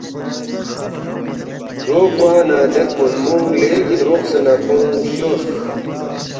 “ دو کوا نہ دے ہرکوُنمونگ لیگی دروقسے نہ کھونگ شورس